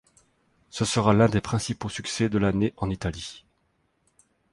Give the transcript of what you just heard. Ce sera l'un des principaux succès de l'année en Italie.